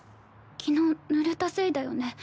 昨日ぬれたせいだよね。